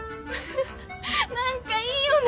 何かいいよね！